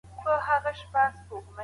ولي ګناکاري زما د ښار سپيني کفتري دي